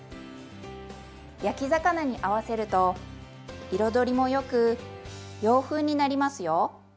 焼き魚に合わせると彩りもよく洋風になりますよ。